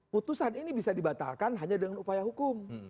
putusan ini bisa dibatalkan hanya dengan upaya hukum